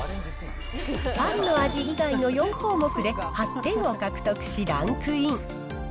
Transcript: パンの味以外の４項目で８点を獲得し、ランクイン。